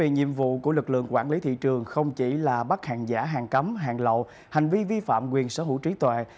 một mươi nhiệm vụ của lực lượng quản lý thị trường không chỉ là bắt hàng giả hàng cấm hàng lậu hành vi vi phạm quyền sở hữu trí tuệ